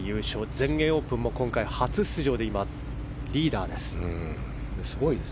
全英オープンも今回初出場でリーダーです。